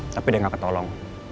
tapi dia gak ketolong